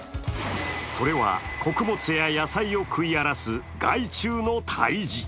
それは、穀物や野菜を食い荒らす害虫の退治。